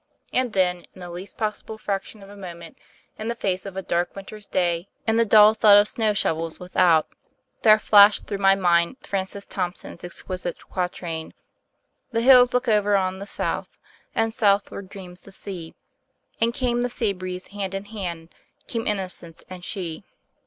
And then in the least possible fraction of a moment, in the face of a dark winter's day and the dull thud of snow shovels without, there flashed through my mind Francis Thompson's exquisite quatrain': "The hills look over on the south, And southward dreams the sea; And with the sea breeze, hand in hand, Came innocence and she."